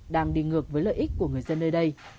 đang đi ngược với lợi ích của người dân nơi đây